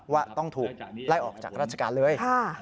ว่าต้องถูกไล่ออกจากราชการเลย